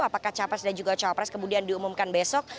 apakah capres dan juga cawapres kemudian diumumkan besok